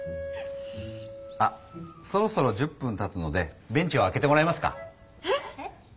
あそろそろ１０分たつのでベンチをあけてもらえますか？